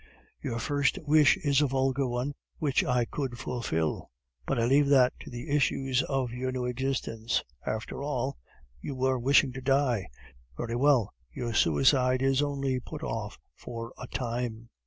Your first wish is a vulgar one, which I could fulfil, but I leave that to the issues of your new existence. After all, you were wishing to die; very well, your suicide is only put off for a time."